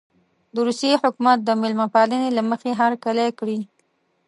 د روسیې حکومت د مېلمه پالنې له مخې هرکلی کړی.